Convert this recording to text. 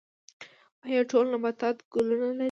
ایا ټول نباتات ګلونه لري؟